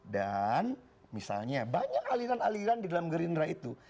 dan misalnya banyak aliran aliran di dalam gerindra itu